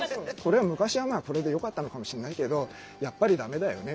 「昔はこれでよかったのかもしれないけどやっぱりダメだよね」